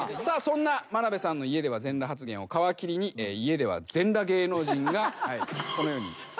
さあそんな眞鍋さんの家では全裸発言を皮切りに家では全裸芸能人がこのように。